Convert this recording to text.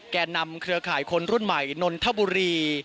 แก่นำเครือข่ายคนรุ่นใหม่นนทบุรี